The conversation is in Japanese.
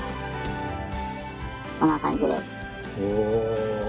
こんな感じです。